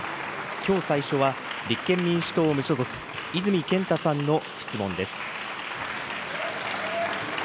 きょう最初は、立憲民主党・無所属、泉健太さんの質問です。